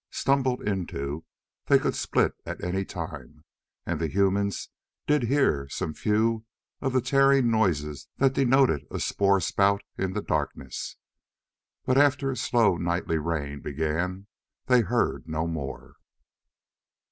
Stumbled into, they could split at any time, and the humans did hear some few of the tearing noises that denoted a spore spout in the darkness. But after slow nightly rain began they heard no more.